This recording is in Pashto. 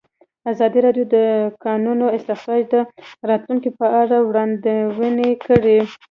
ازادي راډیو د د کانونو استخراج د راتلونکې په اړه وړاندوینې کړې.